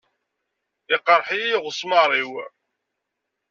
Iqṛeḥ-iyi uɣesmaṛ-iw.